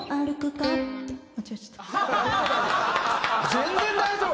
全然大丈夫！